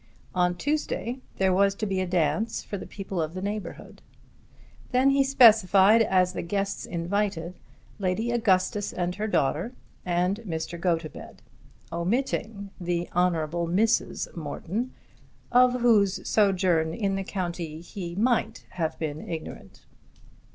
On Tuesday there was to be a dance for the people of the neighbourhood. Then he specified, as the guests invited, Lady Augustus and her daughter and Mr. Gotobed, omitting the honourable Mrs. Morton of whose sojourn in the county he might have been ignorant.